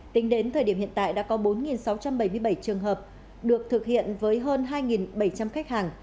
tính đến thời điểm hiện tại đã có bốn sáu trăm bảy mươi bảy trường hợp được thực hiện với hơn hai bảy trăm linh khách hàng